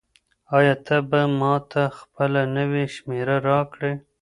آیا ته به ماته خپله نوې شمېره راکړې؟